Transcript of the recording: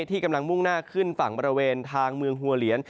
ที่กำลังมุ่งหน้าขึ้นฝั่งบริเวณทางเมืองหัวเหลียน